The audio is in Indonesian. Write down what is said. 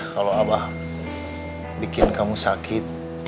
kalau abah bikin kamu sakit